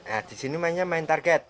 nah di sini mainnya main target